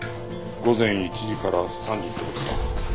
午前１時から３時って事か。